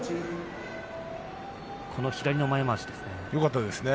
この左の前まわしですね。